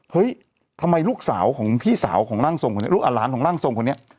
เฮ้ยทำไมลูกสาวของพี่สาวของร่างทรงคนนี้ลูกหลานของร่างทรงคนนี้